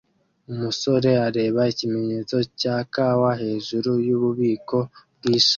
Umusore areba ikimenyetso cya kawa hejuru yububiko bwishami